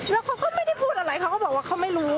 แล้วเขาก็ไม่ได้พูดอะไรเขาก็บอกว่าเขาไม่รู้